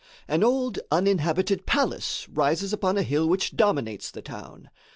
An old uninhabited palace rises upon a hill which dominates the town.